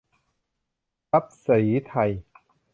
ทรัพย์ศรีไทย